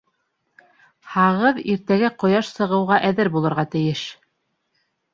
Һағыҙ иртәгә ҡояш сығыуға әҙер булырға тейеш!